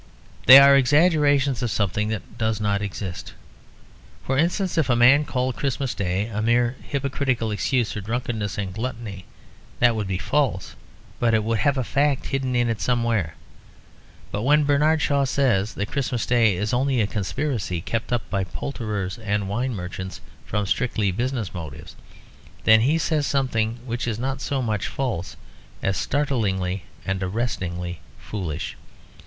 They are exaggerations of something that does not exist. For instance, if a man called Christmas Day a mere hypocritical excuse for drunkenness and gluttony that would be false, but it would have a fact hidden in it somewhere. But when Bernard Shaw says that Christmas Day is only a conspiracy kept up by poulterers and wine merchants from strictly business motives, then he says something which is not so much false as startlingly and arrestingly foolish.